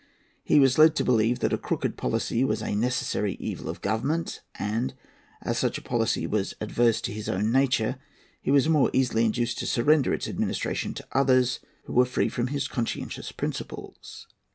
He was led to believe that a crooked policy was a necessary evil of government, and, as such a policy was adverse to his own nature, he was the more easily induced to surrender its administration to others who were free from his conscientious principles."